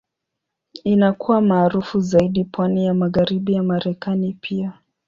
Inakuwa maarufu zaidi pwani ya Magharibi ya Marekani pia.